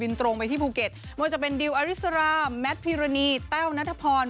ตรงไปที่ภูเก็ตไม่ว่าจะเป็นดิวอริสราแมทพิรณีแต้วนัทพร